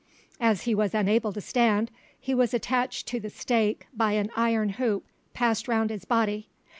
As he was unable to stand, he was attached to the stake by an iron hoop passed round his body.